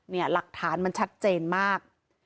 เนี่ยหลักฐานมันชัดเจนมาก